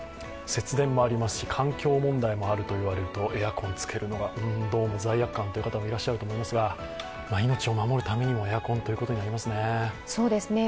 節電もありますし環境問題もあるといわれるとエアコンつけるのがどうも罪悪感という方もいらっしゃると思いますが、命を守るためにもエアコンということになりますね。